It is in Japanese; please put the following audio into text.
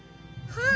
はい。